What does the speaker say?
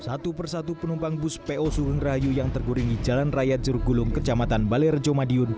satu persatu penumpang bus po surungrayu yang terguringi jalan raya jurugulung kecamatan balai rejo madiun